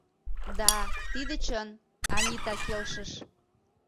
— Да, тиде чын, — Анита келшыш.